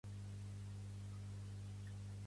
El símbol en si moltes vegades és anomenat lemniscata.